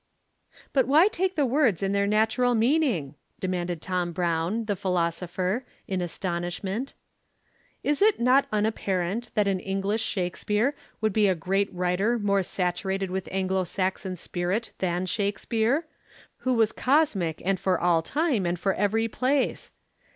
"But why take the words in their natural meaning?" demanded Tom Brown, the philosopher, in astonishment. "Is it not unapparent that an English Shakespeare would be a great writer more saturated with Anglo Saxon spirit than Shakespeare, who was cosmic and for all time and for every place?